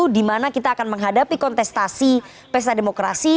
di mana kita akan menghadapi kontestasi pesta demokrasi